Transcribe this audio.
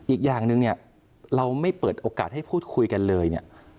อีกอย่างหนึ่งเนี่ยเราไม่เปิดโอกาสให้พูดคุยกันเลยเนี่ย